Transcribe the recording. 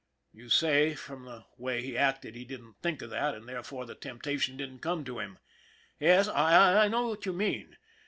You say from the way he acted he didn't think of that and therefore the temptation didn't come to him. Yes, I know what you mean.